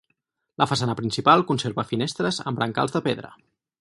La façana principal conserva finestres amb brancals de pedra.